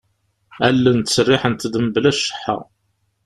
Allen ttseriḥent-d mebla cceḥḥa.